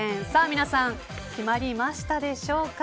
皆さん、決まりましたでしょうか。